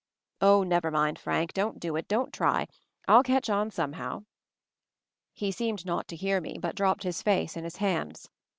"Oh, never mind, Frank; don't do it; don't try, I'll catch on somehow." He seemed not to hear me ; but dropped his face in his hands.